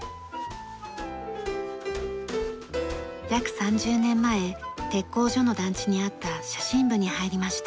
約３０年前鉄工所の団地にあった写真部に入りました。